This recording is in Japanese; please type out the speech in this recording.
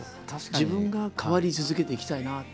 自分が変わり続けていきたいなって。